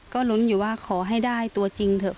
ก็ลุ้นอยู่ว่าขอให้ได้ตัวจริงเถอะ